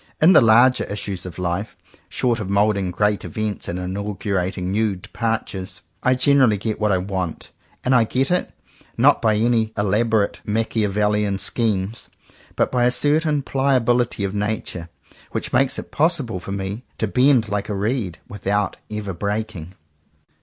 In the larger issues of life — short of moulding great events and inaugurating new departures — I generally get what I want; and I get it, not by any elaborate Machiavellian schemes, but by a certain pliability of nature which makes it possible for me to bend like a reed, without ever breaking.